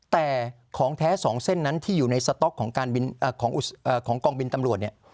แต่ของแท้๒เส้นนั้นที่อยู่ในสต๊อกของการของกองบินตำรวจเนี่ย